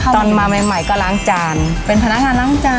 ตอนมาใหม่ก็ล้างจานเป็นพนักงานล้างจาน